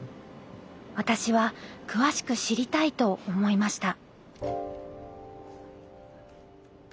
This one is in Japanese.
私は詳しく知りたいと思いました。